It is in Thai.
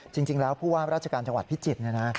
จริงแล้วผู้ว่ารัชการจังหวัดพิจิตร